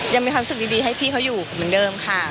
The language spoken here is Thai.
ยังมีความสุขดีให้พี่เขาอยู่เหมือนเดิมค่ะ